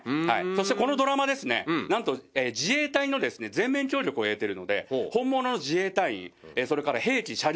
そしてこのドラマですね何と自衛隊の全面協力を得てるので本物の自衛隊員それから兵器車両が登場するんですよね。